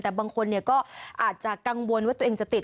แต่บางคนก็อาจจะกังวลว่าตัวเองจะติด